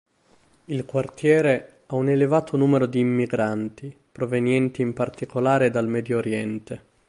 Il quartiere ha un elevato numero di immigranti, provenienti in particolare dal Medio Oriente.